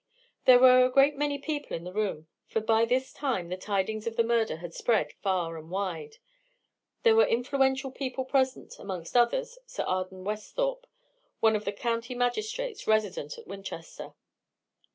There were a great many people in the room, for by this time the tidings of the murder had spread far and wide. There were influential people present, amongst others, Sir Arden Westhorpe, one of the county magistrates resident at Winchester.